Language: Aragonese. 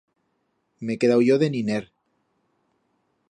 M'he quedau yo de niner.